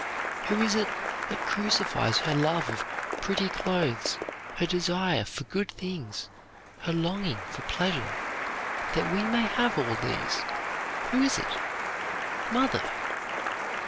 Who is it crucifies her love of pretty clothes, her desire for good things, her longing for pleasure that we may have all these? Who is it? Mother!"